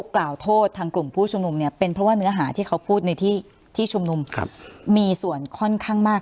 กล่าวโทษทางกลุ่มผู้ชุมนุมเนี่ยเป็นเพราะว่าเนื้อหาที่เขาพูดในที่ชุมนุมมีส่วนค่อนข้างมาก